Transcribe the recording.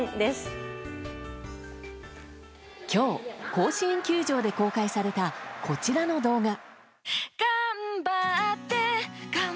今日、甲子園球場で公開されたこちらの動画。